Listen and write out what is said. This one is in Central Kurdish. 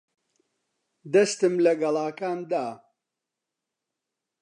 دەستم لە گەڵاکان دا.